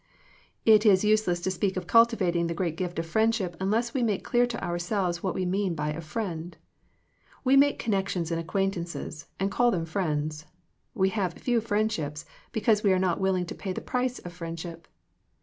It is useless to speak of cultivating the great gift of friendship unless we make clear to ourselves what we mean by a friend. We make connections and ac quaintances, and call them friends. We have few friendships, because we are not willing to pay the price of friendship.